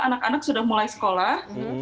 anak anak sudah mulai sekolah